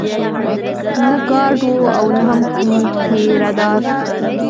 نه ګارډ و او نه هم کوم پيره دار.